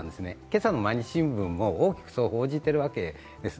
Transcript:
今朝の毎日新聞も大きくそう報じているわけです。